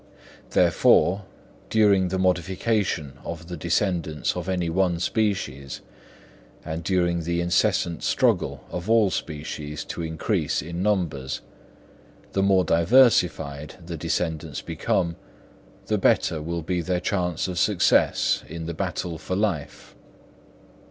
Therefore, during the modification of the descendants of any one species, and during the incessant struggle of all species to increase in numbers, the more diversified the descendants become, the better will be their chance of success in the battle for life.